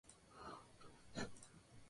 No lleva tripulantes.